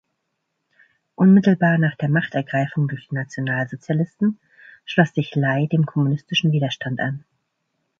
Unmittelbar nach der Machtergreifung durch die Nationalsozialisten schloss sich Lai dem kommunistischen Widerstand an.